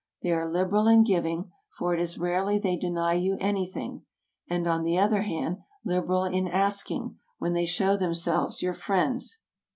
They are liberal in giving, for it is rarely they deny you anything, and, on the other hand, liberal in ask ing, when they show themselves your friends.